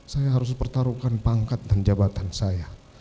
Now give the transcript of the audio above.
saya harus pertaruhkan pangkat dan jabatan saya